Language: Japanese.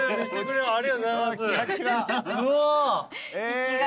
ありがとうございます。